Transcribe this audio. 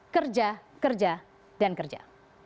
kerja kerja dan kerja